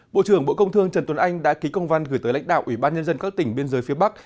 bộ trưởng bộ công thương trần tuấn anh đã ký công văn gửi tới lãnh đạo ủy ban nhân dân các tỉnh biên giới phía bắc